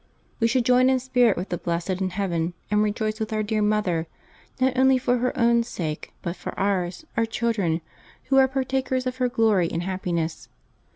We should join in spirit with the blessed in heaven, and rejoice with our dear Mother, not only for her own sake, but for ours, her chil dren, who are partakers of her glory and happiness.